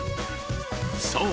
［そう。